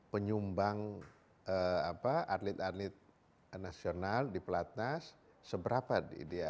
penyumbang atlet atlet nasional di pelatnas seberapa dia